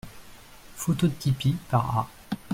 Phototypie par A.